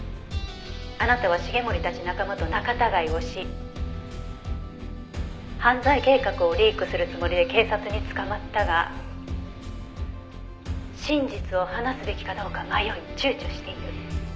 ２あなたは繁森たち仲間と仲たがいをし犯罪計画をリークするつもりで警察に捕まったが真実を話すべきかどうか迷い躊躇している」